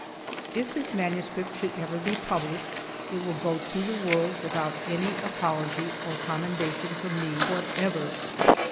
If this manuscript should ever be published, it will go to the world without any apology or commendation from me whatever.